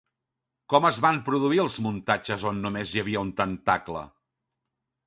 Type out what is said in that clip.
Com es van produir els muntatges on només hi havia un tentacle?